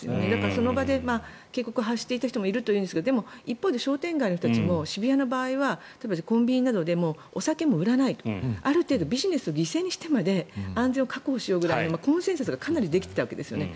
その場で警告を発していた人もいますが一方で、商店街の人も渋谷の場合はコンビニなどでお酒も売らないある程度ビジネスを犠牲にしてまで安全を確保しようぐらいのコンセンサスがかなりできていたわけですね。